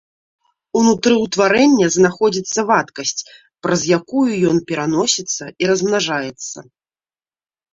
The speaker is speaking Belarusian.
Унутры ўтварэння знаходзіцца вадкасць, праз якую ён пераносіцца і размнажаецца.